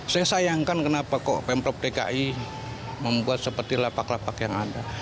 saya sayangkan kenapa kok pemprov dki membuat seperti lapak lapak yang ada